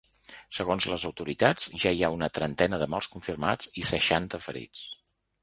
Segons les autoritats, ja hi ha una trentena de morts confirmats i seixanta ferits.